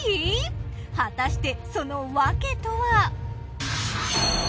果たしてそのわけとは！？